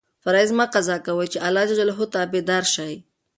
فرایض مه قضا کوه چې د اللهﷻ تابع دار شې.